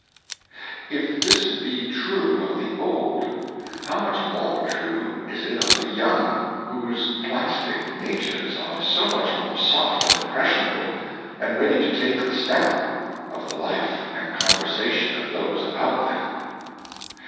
But if this be true of the old, how much more true is it of the young, whose plastic natures are so much more soft and impressionable, and ready to take the stamp, of the life and conversation of those about them!